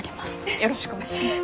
よろしくお願いします。